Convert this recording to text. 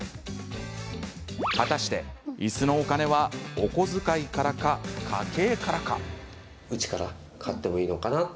果たして、いすのお金はお小遣いからか、家計からか。